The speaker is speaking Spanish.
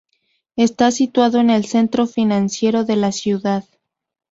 Está situado en el centro financiero de la ciudad.